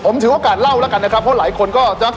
อัศวินตรีอัศวินตรีอัศวินตรี